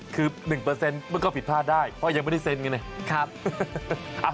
คือหนึ่งเปอร์เซ็นต์มันก็ผิดพลาดได้เพราะยังไม่ได้เซ็นต์ค่ะครับ